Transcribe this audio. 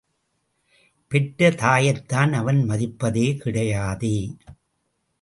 பெற்ற தாயைத்தான் அவன் மதிப்பதே கிடையாதே!